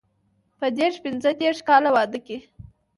په دیرش پنځه دېرش کاله واده کې.